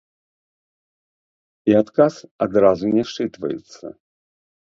І адказ адразу не счытваецца!